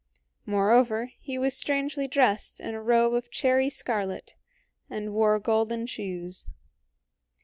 Moreover, he was strangely dressed in a robe of cherry scarlet, and wore golden shoes.